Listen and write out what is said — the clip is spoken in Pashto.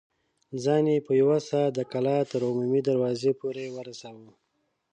ځان يې په يوه سا د کلا تر عمومي دروازې پورې ورساوه.